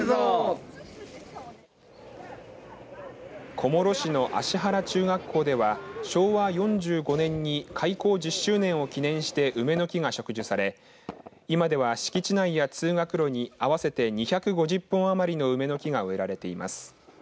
小諸市の芦原中学校では昭和４５年に開校１０周年を記念して梅の木が植樹され今では敷地内や通学路に合わせてに２５０本余りの梅の木が植えられています。